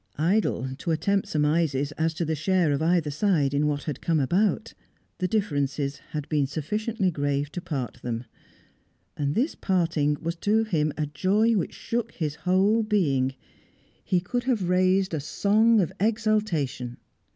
Idle to attempt surmises as to the share of either side in what had come about; the difference had been sufficiently grave to part them. And this parting was to him a joy which shook his whole being. He could have raised a song of exultation.